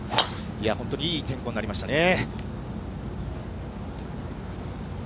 本当にいい天候になりましたね。